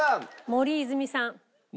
森泉さん。